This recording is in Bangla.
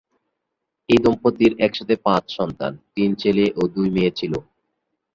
এই দম্পতির একসাথে পাঁচ সন্তান, তিন ছেলে ও দুই মেয়ে ছিল।